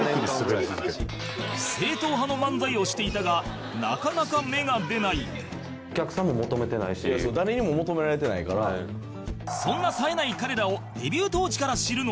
正統派の漫才をしていたがそんな冴えない彼らをデビュー当時から知るのは